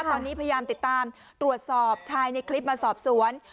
ตอนนี้พยายามติดตามตรวจสอบชายในคลิปมาสอบสวน